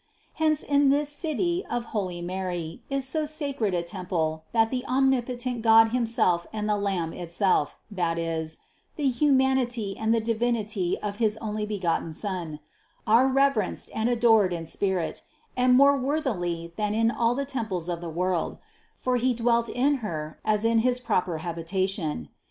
Hence in this City of holy Mary is so sacred a temple that the omnipotent God himself and the Lamb itself, that is: the humanity and the Divinity of his Onlybegotten Son, are reverenced and adored in spirit, and more worthily than in all tfie temples of the world; for He dwelt in Her as in his proper habitation.